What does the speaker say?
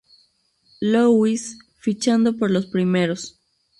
Louis, fichando por los primeros.